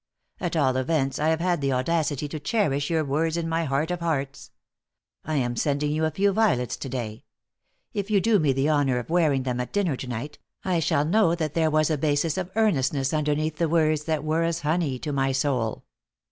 At all events, I have had the audacity to cherish your words in my heart of hearts. I am sending you a few violets to day. If you do me the honor of wearing them at dinner to night, I shall know that there was a basis of earnestness underneath the words that were as honey to my soul.